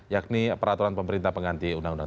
yakni peraturan pemerintah pengganti undang undang